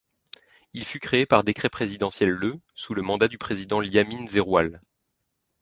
Il fut créé par décret présidentiel le sous le mandat du président Liamine Zeroual.